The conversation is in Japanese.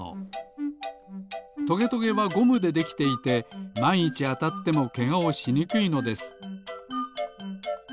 トゲトゲはゴムでできていてまんいちあたってもけがをしにくいのです。